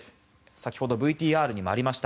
先ほどＶＴＲにもありました。